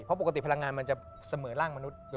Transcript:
เพราะปกติพลังงานมันจะเสมอร่างมนุษย์